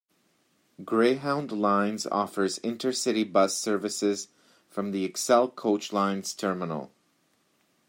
Greyhound Lines offers intercity bus services from the Excel Coach Lines terminal.